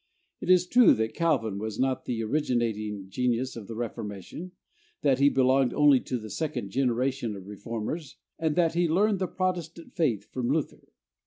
It is true that Calvin was not the originating genius of the Reformation that he belonged only to the second generation of reformers, and that he learned the Protestant faith from Luther.